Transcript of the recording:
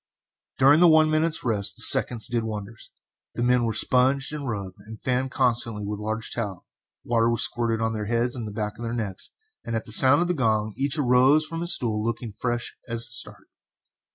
During the one minute's rest the seconds did wonders. The men were sponged and rubbed, while fanned constantly with a large towel, water was squirted on their heads and the back of their necks, and at the sound of the gong each arose from his stool looking as fresh as at the start.